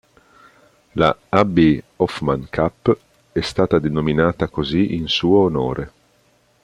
La "Abby Hoffman Cup" è stata denominata così in suo onore.